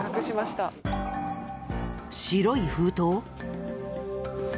白い封筒？